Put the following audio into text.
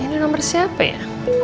ini nomer siapa ya